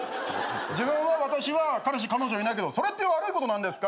自分は私は彼氏彼女いないけどそれって悪いことなんですか？